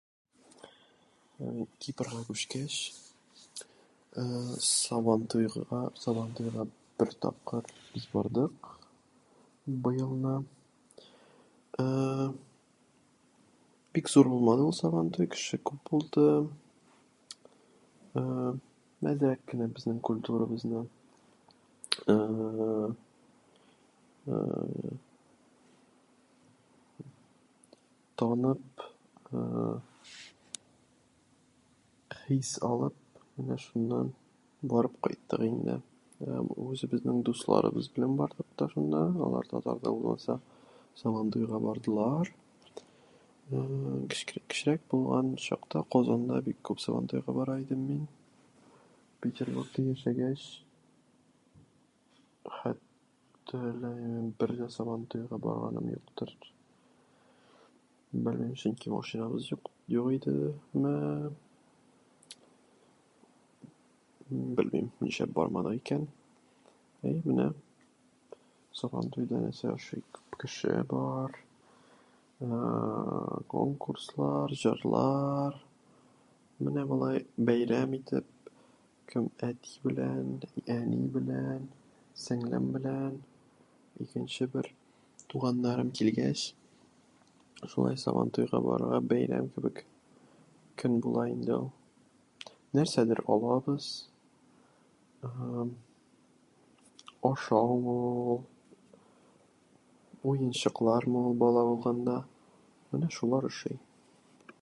Кипрга күчкәч, ә-ә сабантуйга сабантуйга бер тапкыр без бардык, быелны. Ә-ә-ә бик зур булмады ул сабантуй кеше күп булды ә-ә әзрәк кенә безнең культурабызны ә-ә-ә ә-ә танып ә-ә, хис алып менә шуннан барып кайттык инде. Үзебезнең дусларыбыз белән бардык та шунда. Алар татарлар да булмаса, сабантуйга бардылар. Ә-ә кечкә- кечерәк булган чакта Казанда бик күп сабантуйга бара инде мин, Петербургта яшәгәч, хәттта әллә нинди бер дә сабантуйга барганым юктыр. Белмим, чөнки машинабыз юкт- юк иде мее ... белмим нишләп бармадык икән. Әйе, менә. Сабантуйда нәрсә ошый? Кеше бар, ә-ә конкурслар, җырлар, менә болай бәйрәм итеп, кем әти белән, әни белән, сеңлем белән, икенче бертуганнарым килгәч, шулай сабантуйга барырга бәйрәм кебек, көн була инде ул. Нәрсәдер алабыз. Ә-әм ашаумы ул, уенчыклармы ул бала булганда. Менә шулар ошый.